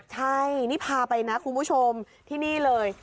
ใช่นี่พาไปนะคุณผู้ชมที่นี่เลย